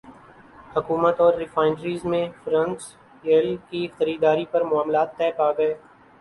حکومت اور ریفائنریز میں فرنس ئل کی خریداری پر معاملات طے پاگئے